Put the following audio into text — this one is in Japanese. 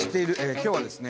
今日はですね